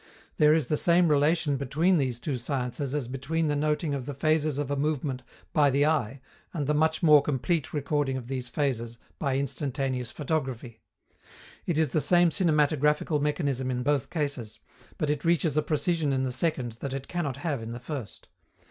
There is the same relation between these two sciences as between the noting of the phases of a movement by the eye and the much more complete recording of these phases by instantaneous photography. It is the same cinematographical mechanism in both cases, but it reaches a precision in the second that it cannot have in the first.